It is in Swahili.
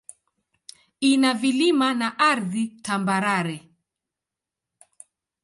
Ina vilima na ardhi tambarare.